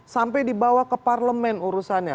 sampai dibawa ke parlemen urusannya